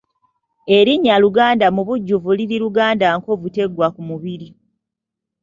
Erinnya Luganda mubujjuvu liri Luganda nkovu teggwa ku mubiri.